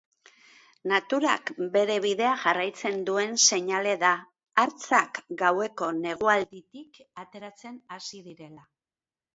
Naturak bere bidea jarraitzen duen seinale da hartzak gaueko negualditik ateratzen hasi direla.